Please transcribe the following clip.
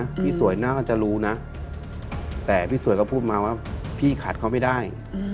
พี่สวยน่าจะรู้นะแต่พี่สวยก็พูดมาว่าพี่ขัดเขาไม่ได้